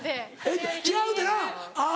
えっ違うってなぁあぁ